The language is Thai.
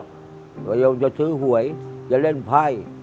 ก็ยกจะซื้อหวยจะเล่นไพ่